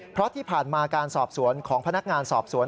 เพราะที่ผ่านมาการสอบสวนของพนักงานสอบสวน